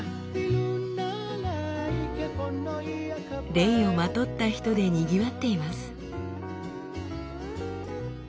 レイをまとった人でにぎわっています。